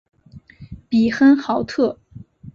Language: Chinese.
比亨豪特。